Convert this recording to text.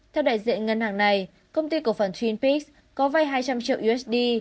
theo đại diện ngân hàng này công ty cổ phần twin peaks có vay hai trăm linh triệu usd